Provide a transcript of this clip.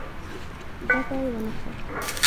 ګټه یې ونه کړه.